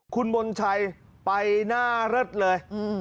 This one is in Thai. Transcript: คุณบนชัยไปหน้าเริดเลยปรากฏเลย